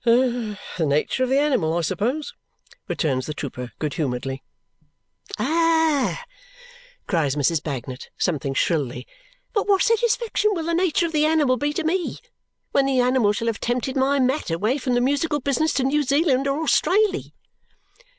"The nature of the animal, I suppose," returns the trooper good humouredly. "Ah!" cries Mrs. Bagnet, something shrilly. "But what satisfaction will the nature of the animal be to me when the animal shall have tempted my Mat away from the musical business to New Zealand or Australey?"